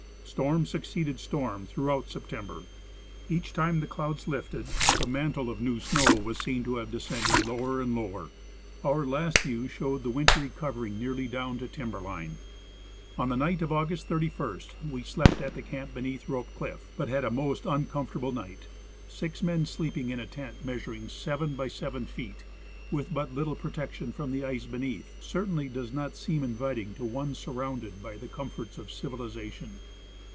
Storm succeeded storm throughout September. Each time tlie clouds lifted, the mantle Siiotv hlindness. 159 of" new snow was seen to have descended lower and lower. Our last view shoAved the wintry covering nearly down to timber line. On the night of August 31 we slept at the camp beneath Rope cliff, but had a most uncomfortable night. Six men sleeping in a tent measuring seven by seven feet, with but little protection from the ice beneath, certainly does not seem inviting to one sur rounded by the comforts of civilization.